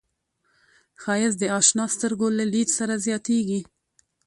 ښایست د اشنا سترګو له لید سره زیاتېږي